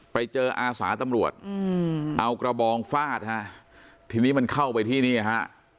ไปเจออาสาตำรวจเอากระบองฟาดฮะทีนี้มันเข้าไปที่นี่ฮะ